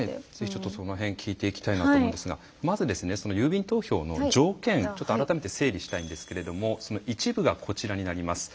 その辺聞いていきたいなと思うんですがまず郵便投票の条件を改めて整理したいんですけれども一部がこちらになります。